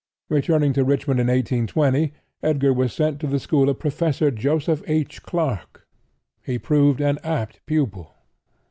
Returning to Richmond in 1820 Edgar was sent to the school of Professor Joseph H. Clarke. He proved an apt pupil.